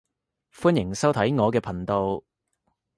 歡迎收睇我嘅頻道